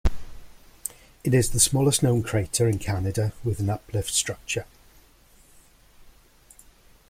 It is the smallest known crater in Canada with an uplift structure.